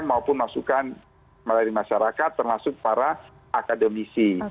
maupun masukan dari masyarakat termasuk para akademisi